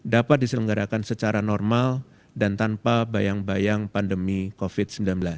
dapat diselenggarakan secara normal dan tanpa bayang bayang pandemi covid sembilan belas